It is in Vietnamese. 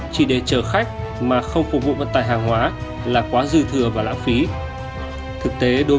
chỉ để chờ khách mà không phục vụ vận tải hàng hóa là quá dư thừa và lãng phí